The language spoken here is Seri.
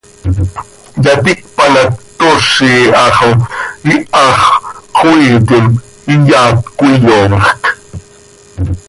Yaticpan hac ctoozi ha xo iihax cöxoiitim, iyat cöiyoomjc.